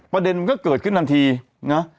ประเด็นมันก็เกิดขึ้นทันทีนะ